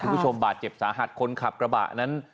คุณผู้ชมบาดเจ็บสาหัสคนขับกระบะนั้น